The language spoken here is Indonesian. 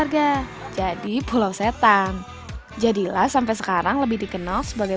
gue kayak dihantui